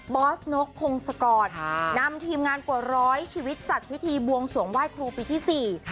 อสนกพงศกรนำทีมงานกว่าร้อยชีวิตจัดพิธีบวงสวงไหว้ครูปีที่สี่